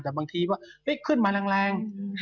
แต่บางทีว่าขึ้นมาแรง